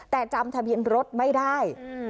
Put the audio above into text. แต่จำทะเบียนรถไม่ได้